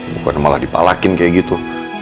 bukan malah dipalakin kayak gitu